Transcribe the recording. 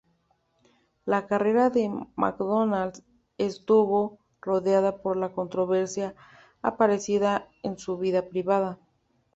La carrera de MacDonald estuvo rodeada por la controversia aparecida en su vida privada.